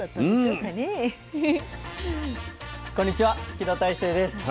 木戸大聖です。